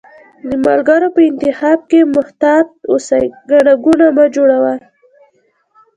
د ملګرو په انتخاب کښي محتاط اوسی، ګڼه ګوڼه مه جوړوی